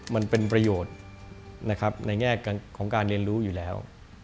มันเป็นประโยชน์นะครับในแง่ของการเรียนรู้อยู่แล้ว